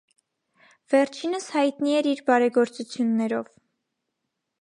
Վերջինս հայտնի էր իր բարեգործություններով։